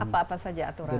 apa apa saja aturannya ini